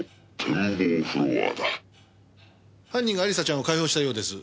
犯人が亜里沙ちゃんを解放したようです。